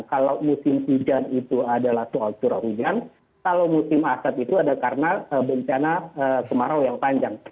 kalau musim hujan itu adalah soal curah hujan kalau musim asap itu ada karena bencana kemarau yang panjang